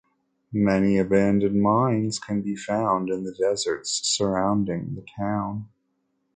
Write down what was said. Many abandoned mines can be found in the deserts surrounding the town.